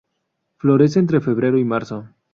Florece entre febrero y marzo.